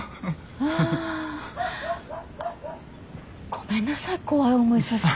ごめんなさい怖い思いさせて。